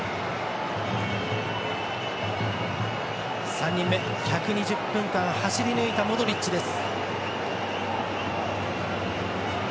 ３人目、１２０分間走り抜いたモドリッチです。